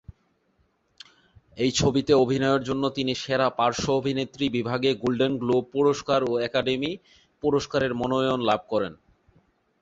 এই ছবিতে অভিনয়ের জন্য তিনি সেরা পার্শ্ব অভিনেত্রী বিভাগে গোল্ডেন গ্লোব পুরস্কার ও একাডেমি পুরস্কারের মনোনয়ন লাভ করেন।